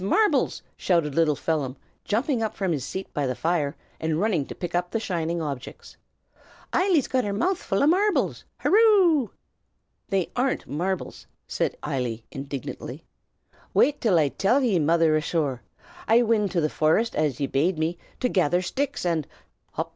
[marbles]" shouted little Phelim, jumping up from his seat by the fire and running to pick up the shining objects. "Eily's got her mouf full o' marvels! Hurroo!" "They aren't marvels!" said Eily, indignantly. "Wait till I till ye, mother asthore! I wint to the forest as ye bade me, to gather shticks, an' " hop!